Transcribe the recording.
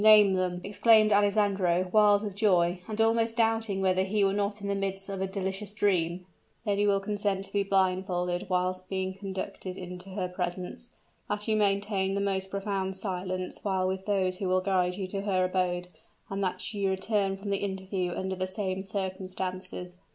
name them!" exclaimed Alessandro, wild with joy, and almost doubting whether he were not in the midst of a delicious dream. "That you consent to be blindfolded while being conducted into her presence that you maintain the most profound silence while with those who will guide you to her abode and that you return from the interview under the same circumstances."